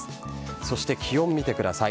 そして気温、見てください。